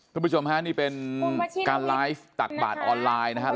คุณผู้ชมฮะนี่เป็นการไลฟ์ตักบาทออนไลน์นะครับ